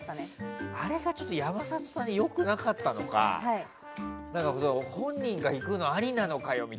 あれがちょっと山里さんに良くなかったのか本人が行くのはありなのかよと。